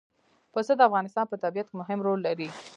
پسه د افغانستان په طبیعت کې مهم رول لري.